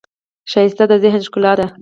ښایست د ذهن ښکلا ده